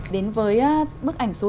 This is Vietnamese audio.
đến với bức ảnh số tám